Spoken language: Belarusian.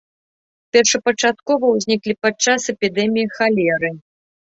Першапачаткова ўзніклі падчас эпідэміі халеры.